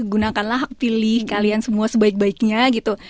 gunakanlah hak pilih kalian semua sebaik baiknya gitu